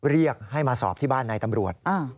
เรียกให้มาสอบที่บ้านนายตำรวจ